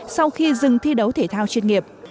sau khi dừng thi đấu thể thao chuyên nghiệp